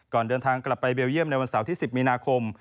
เดินทางกลับไปเบลเยี่ยมในวันเสาร์ที่๑๐มีนาคม